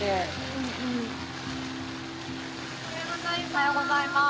おはようございます。